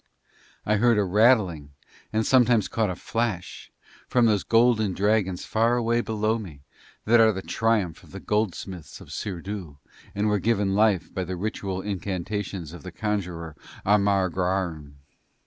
I heard a rattling and sometimes caught a flash from those golden dragons far away below me that are the triumph of the goldsmiths of Sirdoo and were given life by the ritual incantations of the conjurer Amargrarn.